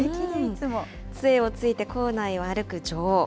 つえをついて構内を歩く女王。